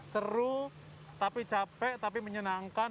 seru tapi capek tapi menyenangkan